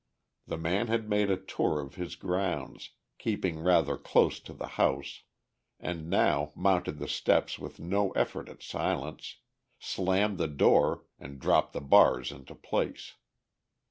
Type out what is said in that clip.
The man had made a tour of his grounds, keeping rather close to the house, and now mounted the steps with no effort at silence, slammed the door and dropped the bars into place.